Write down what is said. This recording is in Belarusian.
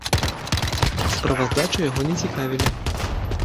Справаздачы яго не цікавілі.